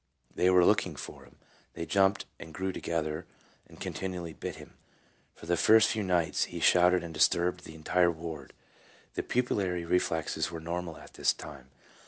They were looking for him, they jumped and grew together, and continually bit him. For the first few nights he shouted and disturbed the entire ward. The pupillary reflexes were normal at this time.